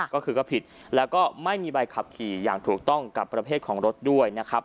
ก็คือก็ผิดแล้วก็ไม่มีใบขับขี่อย่างถูกต้องกับประเภทของรถด้วยนะครับ